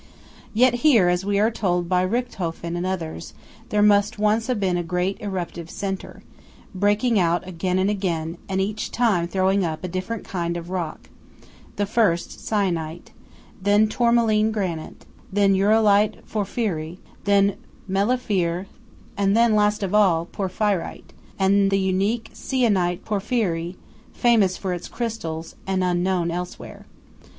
Yet here, as we are told by Richthofen and others, there must once have been a great eruptive centre, breaking out again and again, and each time throwing up a different kind of rock:–first Syenite; then Tourmaline granite; then Uralite porphyry; then melaphyr; then, last of all, porphyrite, and the unique Syenite porphyry, famous for its crystals, and unknown elsewhere.